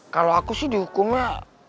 kalau aku sih dihukumnya